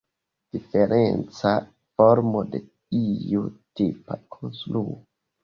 Diferenca formo de iu tipa konstruo.